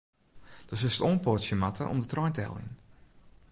Do silst oanpoatsje moatte om de trein te heljen.